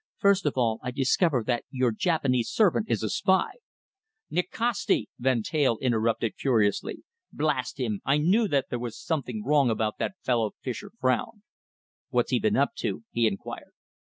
"First of all I discover that your Japanese servant is a spy " "Nikasti!" Van Teyl interrupted furiously. "Blast him! I knew that there was something wrong about that fellow, Fischer." Fischer frowned. "What's he been up to?" he inquired.